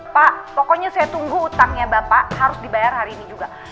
pak pokoknya saya tunggu utangnya bapak harus dibayar hari ini juga